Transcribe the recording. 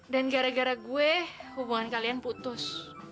dan gara gara gue hubungan kalian putus